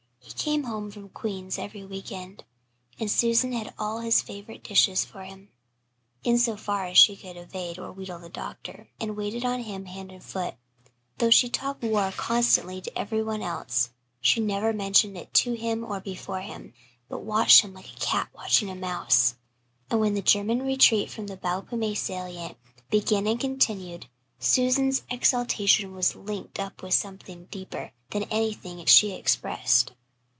He came home from Queen's every week end, and Susan had all his favourite dishes for him, in so far as she could evade or wheedle the doctor, and waited on him hand and foot. Though she talked war constantly to everyone else she never mentioned it to him or before him, but she watched him like a cat watching a mouse; and when the German retreat from the Bapaume salient began and continued, Susan's exultation was linked up with something deeper than anything she expressed.